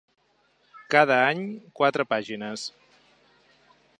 Cada any quatre pàgines.